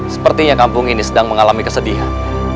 sepertinya kampung ini sedang mengalami kesedihan